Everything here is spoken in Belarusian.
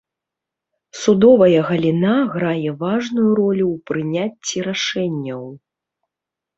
Судовая галіна грае важную ролю ў прыняцці рашэнняў.